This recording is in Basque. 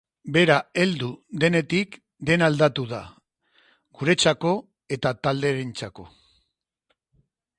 Bera heldu denetik dena aldatu da, guretzako eta taldearentzako.